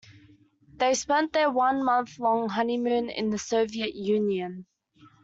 They spent their one-month-long honeymoon in the Soviet Union.